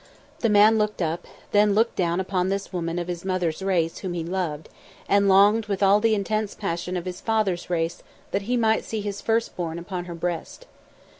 The man looked up, then looked down upon this woman of his mother's race whom he loved, and longed with all the intense passion of his father's race that he might see his first born upon her breast.